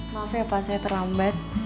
maaf ya pak saya terlambat